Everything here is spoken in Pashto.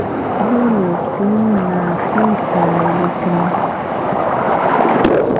زه له کیڼ نه ښي ته لیکم.